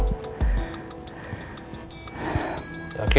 sedang banyak masalah itu